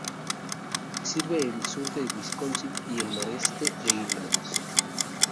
Sirve el sur de Wisconsin y el noroeste de Illinois.